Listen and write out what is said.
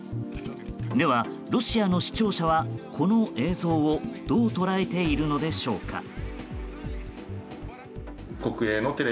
では、ロシアの視聴者はこの映像をどう捉えているのでしょうか。